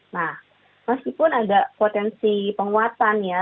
nah meskipun ada potensi penguatan ya